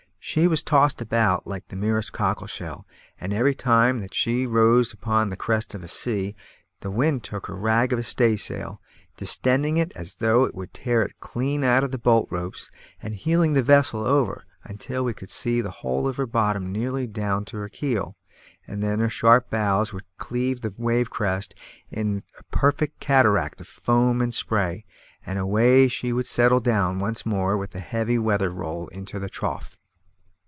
She was tossed about like the merest cockle shell, and every time that she rose upon the crest of a sea, the wind took her rag of a staysail, distending it as though it would tear it clean out of the bolt ropes, and heeling the vessel over until we could see the whole of her bottom nearly down to her keel; and then her sharp bows would cleave the wave crest in a perfect cataract of foam and spray, and away she would settle down once more with a heavy weather roll into the trough.